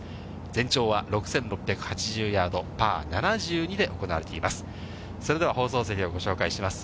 全長は６６８０ヤード、パー７２で行われています。